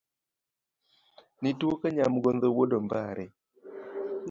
Nituo ka nyamgodho wuod ombare